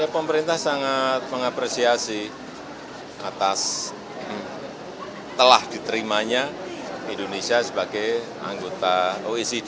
pemerintah sangat mengapresiasi atas telah diterimanya indonesia sebagai anggota oecd